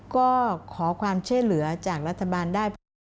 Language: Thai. ก็ขอความเช่นเหลือจากรัฐบาลได้